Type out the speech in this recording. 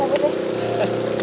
gue sabit ya